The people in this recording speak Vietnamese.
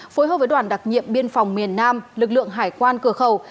phối hợp với đoàn đặc nhiệm biên phòng miền nam lực lượng hải quan cửa khẩu